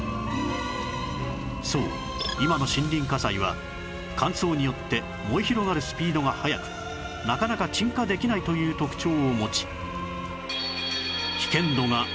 そう今の森林火災は乾燥によって燃え広がるスピードが速くなかなか鎮火できないという特徴を持ち